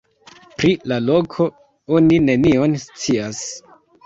Pri la loko oni nenion scias.